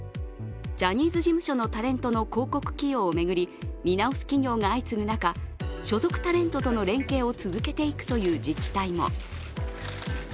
ジャニーズ事務所のタレントの広告起用を巡り見直す企業が相次ぐ中、所属タレントとの連携を続けていくという自治体も。